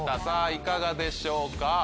さあいかがでしょうか？